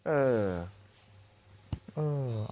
เอ่อเอ่อ